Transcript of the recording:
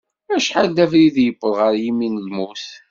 Acḥal d abrid i yewweḍ ɣer yimi n lmut.